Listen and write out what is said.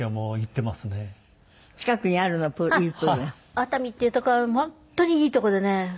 熱海っていう所は本当にいい所でね